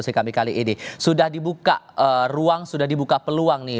sosialisasi kami kali ini sudah dibuka ruang sudah dibuka peluang nih